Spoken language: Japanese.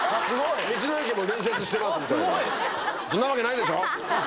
そんなわけないでしょ！